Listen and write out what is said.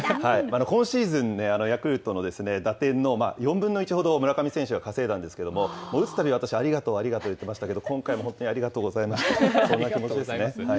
今シーズン、ヤクルトの打点の４分の１ほどを村上選手が稼いだんですけれども、打つたび私、ありがとう、ありがとう言ってましたけど、今回も本当にありがとうございますと、そんな気持ちですね。